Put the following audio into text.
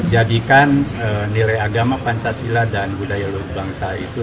jadikan nilai agama pancasila dan budaya bangsa itu